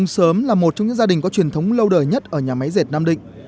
sớm là một trong những gia đình có truyền thống lâu đời nhất ở nhà máy dệt nam định